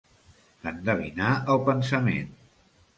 Endevinar el pensament.